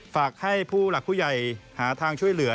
ฝากให้ผู้หลักผู้ใหญ่หาทางช่วยเหลือ